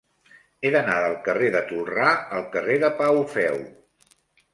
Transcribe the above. He d'anar del carrer de Tolrà al carrer de Pau Feu.